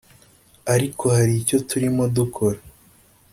Ariko hari icyo turimo dukora